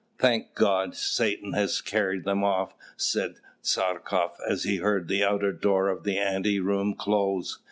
"Thank God, Satan has carried them off!" said Tchartkoff, as he heard the outer door of the ante room close.